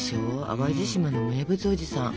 淡路島の名物おじさん。